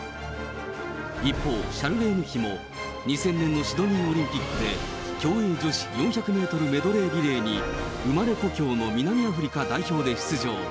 一方、シャルレーヌ妃も２０００年のシドニーオリンピックで、競泳女子４００メートルメドレーリレーに、生まれ故郷の南アフリカ代表で出場。